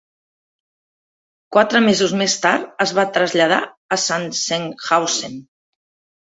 Quatre mesos més tard es va traslladar a Sachsenhausen.